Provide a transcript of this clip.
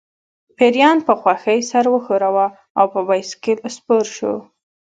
پیریان په خوښۍ سر وښوراوه او په بایسکل سپور شو